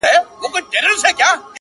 د ژوند د دې تصوير و هري خوا ته درېږم؛